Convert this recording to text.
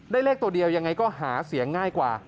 เลขตัวเดียวยังไงก็หาเสียงง่ายกว่า